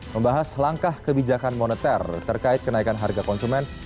membahas langkah kebijakan moneter terkait kenaikan harga konsumen